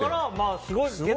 すごいね。